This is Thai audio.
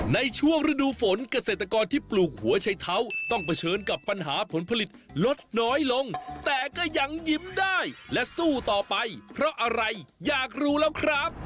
ในช่วงฤดูฝนเกษตรกรที่ปลูกหัวชัยเท้าต้องเผชิญกับปัญหาผลผลิตลดน้อยลงแต่ก็ยังยิ้มได้และสู้ต่อไปเพราะอะไรอยากรู้แล้วครับ